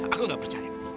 aku gak percaya